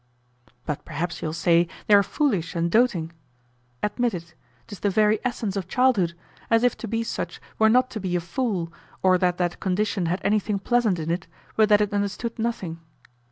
But perhaps you'll say they are foolish and doting. Admit it; 'tis the very essence of childhood; as if to be such were not to be a fool, or that that condition had anything pleasant in it, but that it understood nothing.